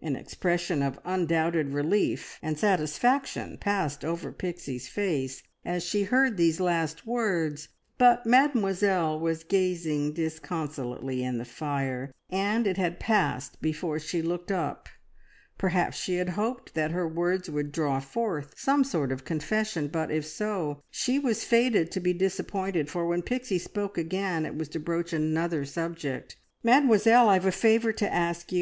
An expression of undoubted relief and satisfaction passed over Pixie's face as she heard these last words, but Mademoiselle was gazing disconsolately in the fire, and it had passed before she looked up. Perhaps she had hoped that her words would draw forth some sort of confession, but, if so, she was fated to be disappointed, for when Pixie spoke again it was to broach another subject. "Mademoiselle, I've a favour to ask you!